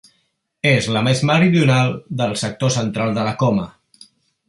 És la més meridional del sector central de la Coma.